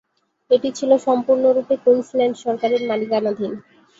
এটি ছিল সম্পূর্ণরূপে কুইন্সল্যান্ড সরকারের মালিকানাধীন।